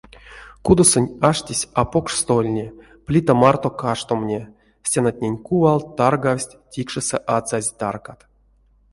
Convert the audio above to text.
Кудосонть аштесь а покш стольне, плита марто каштомне, стенатнень кувалт таргавсть тикшесэ ацазь таркат.